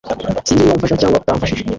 Sinzi niba umfasha cyangwa utamfashije